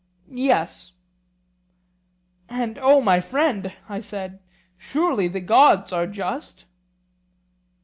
Yes. And O my friend, I said, surely the gods are just?